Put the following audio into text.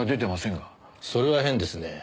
それは変ですね。